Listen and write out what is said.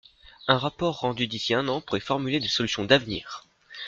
Un rapport rendu d’ici un an pourrait formuler des solutions d’avenir.